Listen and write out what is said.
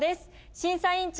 審査委員長